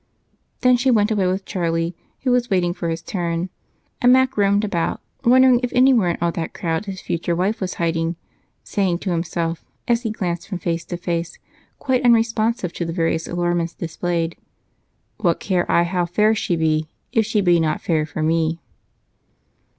Then she went away with Charlie, who was waiting for his turn, and Mac roamed about, wondering if anywhere in all that crowd his future wife was hidden, saying to himself, as he glanced from face to face, quite unresponsive to the various allurements displayed, "What care I how fair she be, If she be not fair for me?"